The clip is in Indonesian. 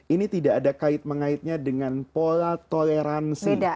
ini tidak ada kait mengaitnya dengan pola toleransi